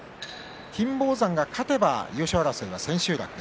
金峰山が勝てば優勝争いは千秋楽へ。